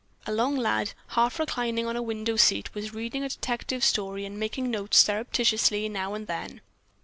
A long lad, half reclining on a window seat, was reading a detective story and making notes surreptitiously now and then.